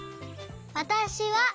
「わたしは」